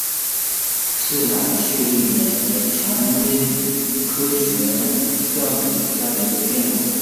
刺萼秀丽莓为蔷薇科悬钩子属下的一个变种。